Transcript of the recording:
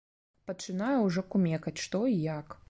Пачынаю ўжо кумекаць, што і як.